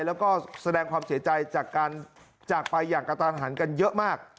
แล้วก็แสดงความเสียใจจากการจากไปอย่างกระตันหันกันเยอะมาก